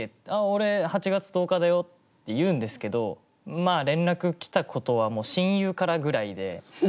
「俺８月１０日だよ」って言うんですけどまあ連絡来たことはもう親友からぐらいで。